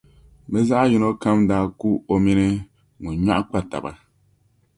bɛ zaɣ’ yino kam daa ku o mini ŋun nyɔɣu kpa taba.